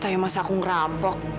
tapi masa aku ngerampok